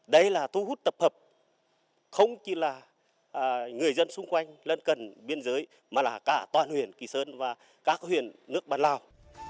đấy là thu hút tập hợp không chỉ là người dân xung quanh lân cần biên giới mà là cả toàn huyền kỳ sơn và các huyền nước bàn lào